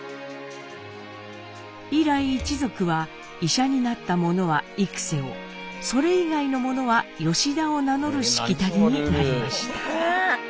以来一族は医者になった者は「幾瀬」をそれ以外の者は「吉田」を名乗るしきたりになりました。